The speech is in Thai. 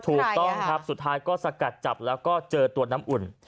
ถูกต้องครับสุดท้ายก็สกัดจับแล้วก็เจอตัวน้ำอุ่น